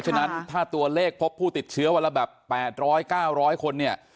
เพราะฉะนั้นถ้าตัวเลขพบผู้ติดเชื้อวันละแบบ๘๐๐๙๐๐คน